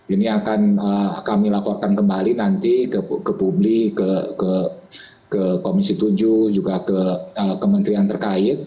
ini akan kami laporkan kembali nanti ke publik ke komisi tujuh juga ke kementerian terkait